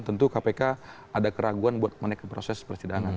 tentu kpk ada keraguan buat menaiki proses persidangan